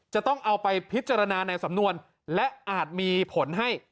จะต้องเอาไปพิจารณาในสำนวนและอาจมีผลให้